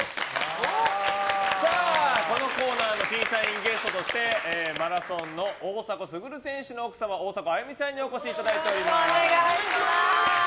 このコーナーの審査員ゲストとしてマラソンの大迫傑選手の奥様大迫あゆみさんにお越しいただいております。